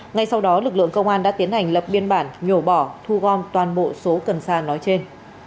ngay sau đó lực lượng công an đã tiến hành lập biên bản nhổ bỏ thu gom toàn bộ số cần sa nói trên